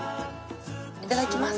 いただきます！